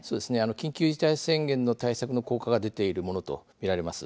緊急事態宣言の対策の効果が出ているものとみられます。